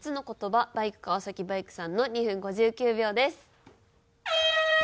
バイク川崎バイクさんの２分５９秒です。